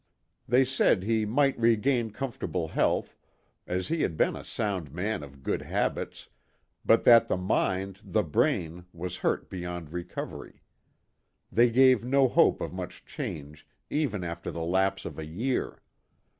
They said he might re gain comfortable health, as he had been a sound man of good habits, but that the mind, the brain, was hurt beyond recovery. They gave no hope of much change even after the lapse of a year.